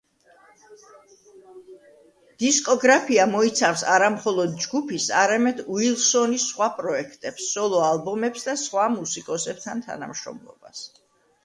დისკოგრაფია მოიცავს არა მხოლოდ ჯგუფის, არამედ უილსონის სხვა პროექტებს, სოლო-ალბომებს და სხვა მუსიკოსებთან თანამშრომლობას.